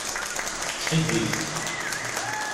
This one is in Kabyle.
Tettḥibbi-t.